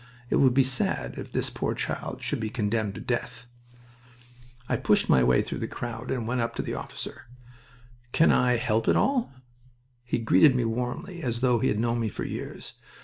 It would be sad if this poor child should be condemned to death." I pushed my way through the crowd and went up to the officer. "Can I help at all?" He greeted me warmly, as though he had known me for years.